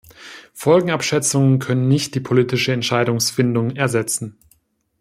Folgenabschätzungen können nicht die politische Entscheidungsfindung ersetzen.